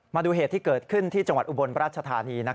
มาดูเหตุที่เกิดขึ้นที่จังหวัดอุบลราชธานี